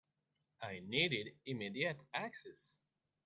I needed immediate access.